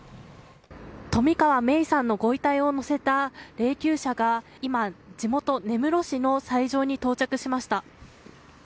冨川芽衣さんのご遺体を乗せた霊きゅう車が今地元、根室市の斎場に到着しました。